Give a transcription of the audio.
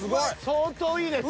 相当いいです。